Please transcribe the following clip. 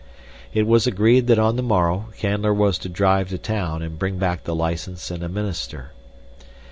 It was agreed that on the morrow Canler was to drive to town and bring back the license and a minister.